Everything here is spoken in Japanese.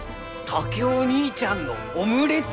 竹雄義兄ちゃんのオムレツ？